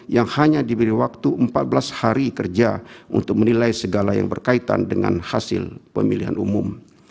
yang hanya diberi waktu empat belas hari kerja untuk menilai segala yang berkaitan dengan hasil pemilihan umum